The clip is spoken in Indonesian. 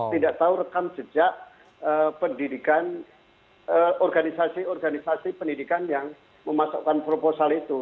tidak tahu rekam jejak pendidikan organisasi organisasi pendidikan yang memasukkan proposal itu